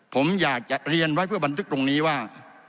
ผมอยากจะเรียนไว้เพื่อบันทึกตรงนี้ว่า